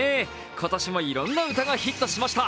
今年もいろんな歌がヒットしました。